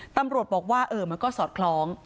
ตำรวจบอกว่ามันก็สอดคล้อง